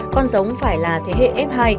con giống phải là thế hệ f hai